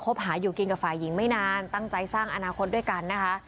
หาอยู่กินกับฝ่ายหญิงไม่นานตั้งใจสร้างอนาคตด้วยกันนะคะ